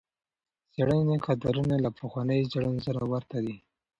د څېړنې خطرونه له پخوانیو څېړنو سره ورته دي.